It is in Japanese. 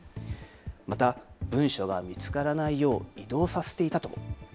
また文書が見つからないよう移動させていたとも。